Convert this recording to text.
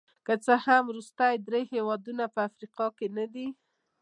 که څه هم وروستي درې هېوادونه په افریقا کې نه دي.